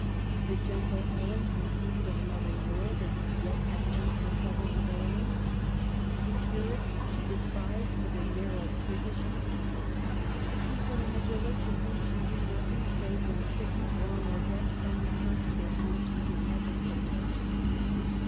The gentle Ellen who seemed of another world, and yet had plentiful troubles of her own ? The curates she despised for their narrow priggishness ? The people in the village of whom she knew nothing save when sickness, wrong, or death summoned her to their homes to give help and protection